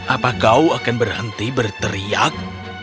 apa kau akan berhenti berteriak